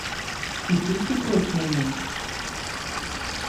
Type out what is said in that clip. І ты супроць мяне?